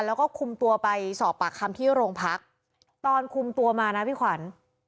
แล้วก็คุมตัวไปสอบปากคำที่โรงพักตอนคุมตัวมานะพี่ขวัญ